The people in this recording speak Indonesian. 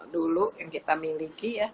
dulu yang kita miliki ya